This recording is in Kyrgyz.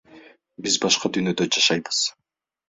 Биз башка дүйнөдө жашайбыз.